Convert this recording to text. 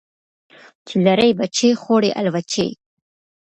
چی لری بچي خوري الوچی .